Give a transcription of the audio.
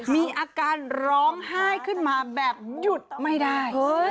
มีอาการร้องไห้ขึ้นมาแบบหยุดไม่ได้